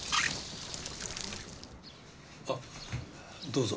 あっどうぞ。